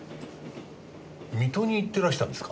水戸に行ってらしたんですか。